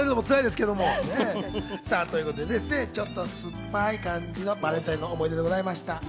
ちょっと、すっぱい感じのバレンタインの思い出ではありました。